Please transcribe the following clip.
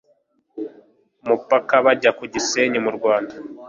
umupaka bajya ku gisenyi mu rwanda